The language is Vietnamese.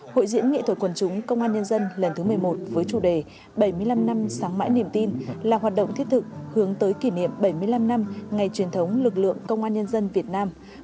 hội diễn nghệ thuật quần chúng công an nhân dân lần thứ một mươi một với chủ đề bảy mươi năm năm sáng mãi niềm tin là hoạt động thiết thực hướng tới kỷ niệm bảy mươi năm năm ngày truyền thống lực lượng công an nhân dân việt nam